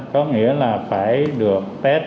có nghĩa là phải được test